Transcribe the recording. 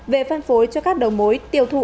về phân phối cho các đầu mối tiêu thụ